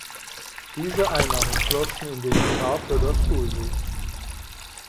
Diese Einnahmen flossen in den Etat für das Schulwesen.